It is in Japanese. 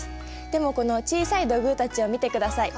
でもこの小さい土偶たちを見てください。